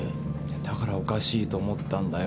だからおかしいと思ったんだよ。